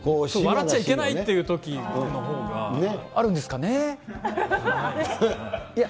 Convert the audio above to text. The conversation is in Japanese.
笑っちゃいけないっていうとあるんですかね。